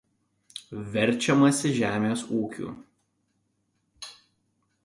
Verčiamasi žemės ūkiu.